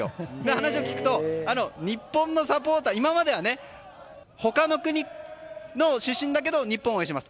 話を聞くと今までは他の国の出身だけど日本を応援します。